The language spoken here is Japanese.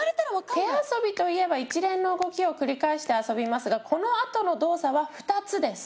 手遊びといえば一連の動きを繰り返して遊びますがこのあとの動作は２つです。